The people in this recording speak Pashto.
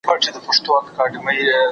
زه اوږده وخت بازار ته ځم وم!.